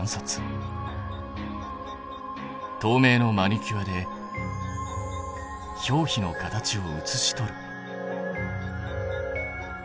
とうめいのマニキュアで表皮の形を写し取る。